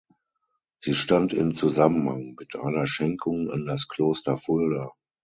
Sie stand in Zusammenhang mit einer Schenkung an das Kloster Fulda.